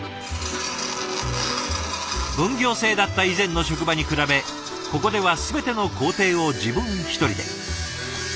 分業制だった以前の職場に比べここでは全ての工程を自分一人で。